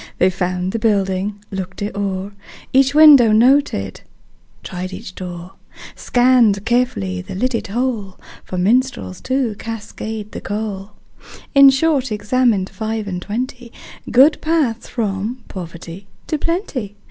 They found the building, looked it o'er, Each window noted, tried each door, Scanned carefully the lidded hole For minstrels to cascade the coal In short, examined five and twenty Good paths from poverty to plenty.